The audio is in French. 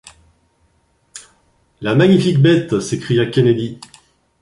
La magnifique bête! s’écria Kennedy.